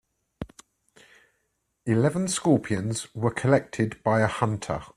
Eleven scorpions were collected by a hunter.